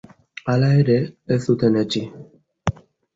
Hala ere, ez zuten etsi.